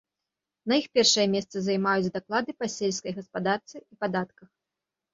На іх першае месца займаюць даклады па сельскай гаспадарцы і падатках.